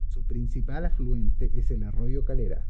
Su principal afluente es el arroyo Calera.